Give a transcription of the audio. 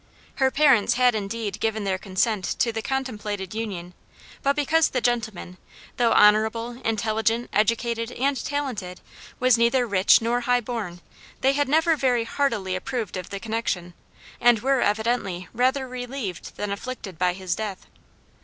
Her parents had indeed given their consent to the contemplated union, but because the gentleman, though honorable, intelligent, educated and talented, was neither rich nor high born, they had never very heartily approved of the connection, and were evidently rather relieved than afflicted by his death.